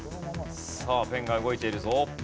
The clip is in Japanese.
さあペンが動いているぞ。